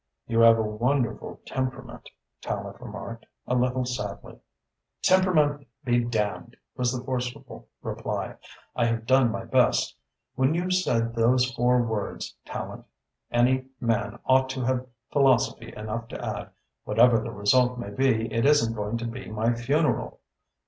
"You have a wonderful temperament," Tallente remarked, a little sadly. "Temperament be damned!" was the forcible reply. "I have done my best. When you've said those four words, Tallente, any man ought to have philosophy enough to add, 'Whatever the result may be, it isn't going to be my funeral.'